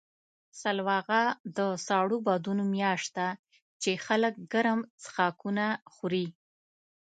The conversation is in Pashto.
سلواغه د سړو بادونو میاشت ده، چې خلک ګرم څښاکونه خوري.